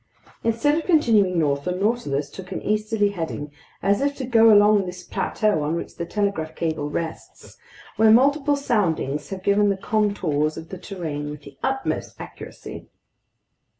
Instead of continuing north, the Nautilus took an easterly heading, as if to go along this plateau on which the telegraph cable rests, where multiple soundings have given the contours of the terrain with the utmost accuracy.